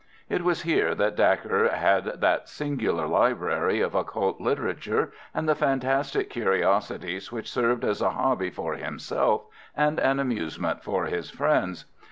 It was here that Dacre had that singular library of occult literature, and the fantastic curiosities which served as a hobby for himself, and an amusement for his friends.